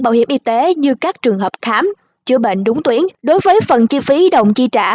bảo hiểm y tế như các trường hợp khám chữa bệnh đúng tuyến đối với phần chi phí đồng chi trả